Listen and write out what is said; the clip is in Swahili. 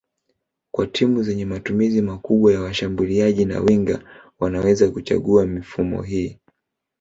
Kwa timu zenye matumizi makubwa ya washambuliaji na winga wanaweza kuchagua mifumo hii